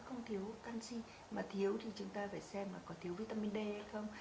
không thiếu canxi mà thiếu thì chúng ta phải xem là có thiếu vitamin d hay không